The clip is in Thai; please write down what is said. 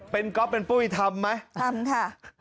เป็นก๊อฟเป็นปุ้ยทำไหมทำค่ะ